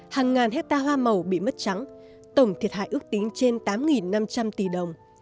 hàng ngàn hecta hoa màu bị mất trắng tổng thiệt hại ước tính trên tám năm trăm linh tỷ đồng